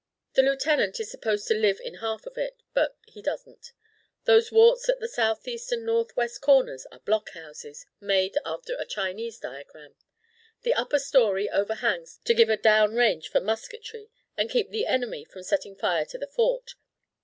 The Lieutenant is supposed to live in half of it, but he doesn't. Those warts at the south east and north west corners are block houses, made after a Chinese diagram. The upper story overhangs to give a down range for musketry and keep the enemy from setting fire to the Fort.